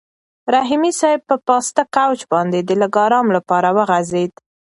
رحیمي صیب په پاسته کوچ باندې د لږ ارام لپاره وغځېد.